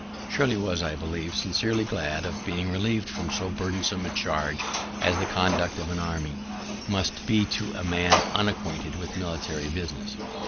Shirley was, I believe, sincerely glad of being relieved from so burdensome a charge as the conduct of an army must be to a man unacquainted with military business.